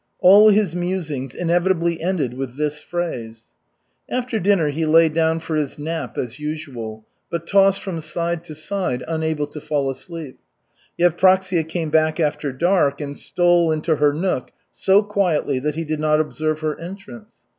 All his musings inevitably ended with this phrase. After dinner, he lay down for his nap, as usual, but tossed from side to side, unable to fall asleep. Yevpraksia came back after dark and stole into her nook so quietly that he did not observe her entrance.